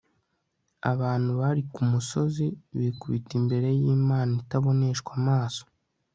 abantu bari ku musozi bikubita imbere yImana itaboneshwa amaso